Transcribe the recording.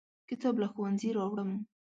کتاب له ښوونځي راوړم.